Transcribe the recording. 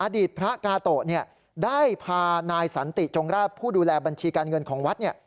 ดีตพระกาโตะได้พานายสันติจงราชผู้ดูแลบัญชีการเงินของวัด